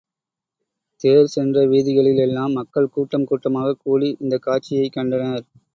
தேர் சென்ற வீதிகளில் எல்லாம் மக்கள் கூட்டம் கூட்டமாகக் கூடி இந்தக் காட்சியைக் கண்டனர்.